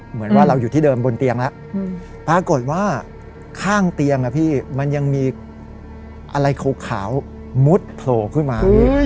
เหมือนว่าเราอยู่ที่เดิมบนเตียงแล้วปรากฏว่าข้างเตียงนะพี่มันยังมีอะไรขาวมุดโผล่ขึ้นมาพี่